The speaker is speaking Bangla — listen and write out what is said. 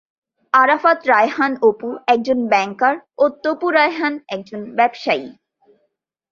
আরাফাত রায়হান অপু একজন ব্যাংকার ও তপু রায়হান একজন ব্যবসায়ী।